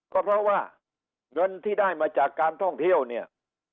ก็เพราะว่าเงินที่ได้มาจากการท่องเที่ยวเนี่ย